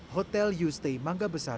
hotel u stay mangga besar